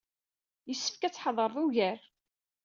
Yessefk ad tettḥadareḍ ugar.